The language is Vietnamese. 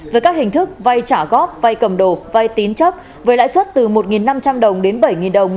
với các hình thức vai trả góp vai cầm đồ vai tín chấp với lãi suất từ một năm trăm linh đồng đến bảy đồng